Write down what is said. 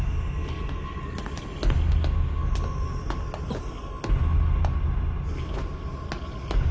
あっ。